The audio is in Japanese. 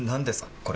これ。